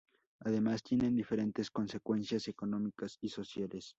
Además, tienen diferentes consecuencias económicas y sociales.